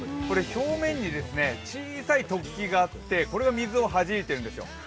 表面に小さい突起があって、これが水を弾いているんですよ。